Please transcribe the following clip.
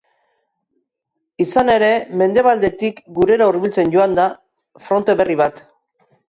Izan ere, mendebaldetik gurera hurbiltzen joango da fronte berri bat.